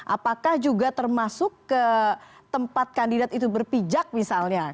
apakah juga termasuk ke tempat kandidat itu berpijak misalnya